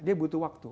dia butuh waktu